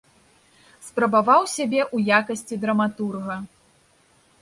Спрабаваў сябе ў якасці драматурга.